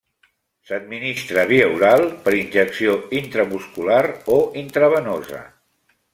S'administra via oral, per injecció intramuscular o intravenosa.